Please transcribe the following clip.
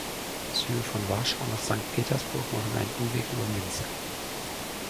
Züge von Warschau nach Sankt Petersburg machen einen Umweg über Minsk.